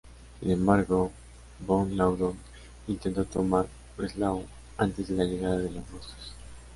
Sin embargo, von Laudon intentó tomar Breslau antes de la llegada de los rusos.